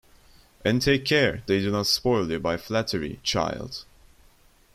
And take care they do not spoil you by flattery, child!